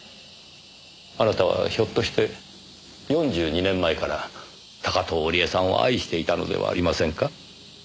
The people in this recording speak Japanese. あなたはひょっとして４２年前から高塔織絵さんを愛していたのではありませんか？